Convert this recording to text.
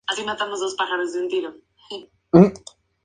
Muchos de los miembros de la diáspora china tienen sus raíces aquí.